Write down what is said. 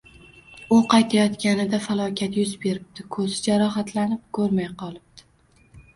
U qaytayotganida falokat yuz beribdi, ko‘zi jarohatlanib, ko‘rmay qolibdi.